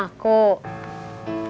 aku mau ke ktm